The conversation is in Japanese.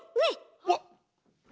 うわっ！